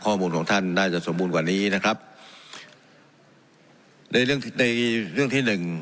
ข้อมูลของท่านน่าจะสมบูรณ์กว่านี้นะครับในเรื่องในเรื่องที่หนึ่ง